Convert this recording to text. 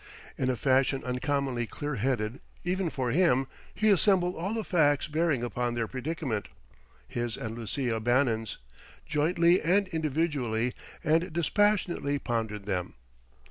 In a fashion uncommonly clear headed, even for him, he assembled all the facts bearing upon their predicament, his and Lucia Bannon's, jointly and individually, and dispassionately pondered them....